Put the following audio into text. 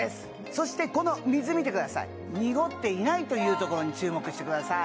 そしてこの水見てください濁っていないというところに注目してください